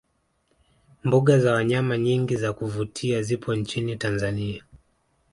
mbuga za wanyama nyingi za kuvutia zipo nchini tanzania